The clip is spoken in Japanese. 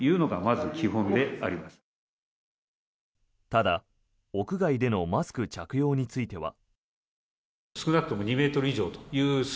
ただ、屋外でのマスク着用については。